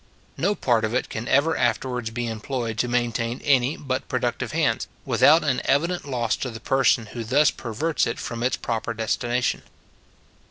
No part of it can ever afterwards be employed to maintain any but productive hands, without an evident loss to the person who thus perverts it from its proper destination.